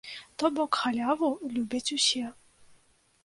То бок, халяву любяць усе.